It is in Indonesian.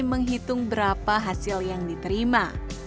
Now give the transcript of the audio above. menghitung berapa hasil yang diterima